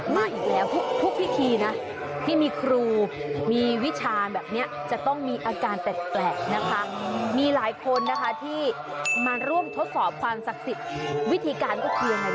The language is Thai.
มาอีกแล้วทุกพิธีนะที่มีครูมีวิชาณแบบนี้จะต้องมีอาการแปลกนะคะมีหลายคนนะคะที่มาร่วมทดสอบความศักดิ์สิทธิ์วิธีการก็คือยังไง